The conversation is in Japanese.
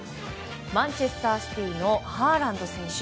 マンチェスター・シティのハーランド選手。